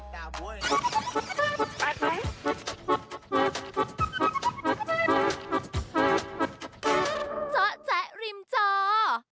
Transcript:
เจ้าแจ๊กริมเจ้า